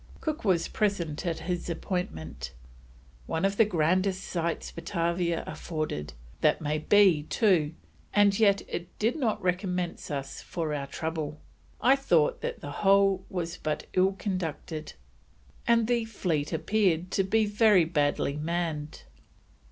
Cook was present at his appointment: "one of the grandest sights Batavia afforded; that may be too, and yet it did not recompense us for our trouble. I thought that the whole was but ill conducted, and the fleet appeared to be very badly mann'd."